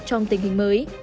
trong tình hình mới